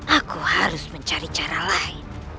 aku harus mencari cara lain